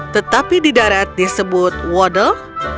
tetapi di darat disebut wadel